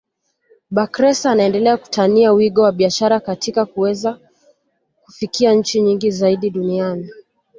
Bakhresa anaendelea kutanua wigo wa biashara katika kuweza kufikia nchi nyingi zaidi duniani